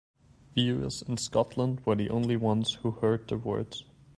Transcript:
Viewers in Scotland were the only ones who heard the words.